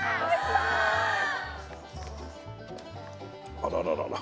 あらららら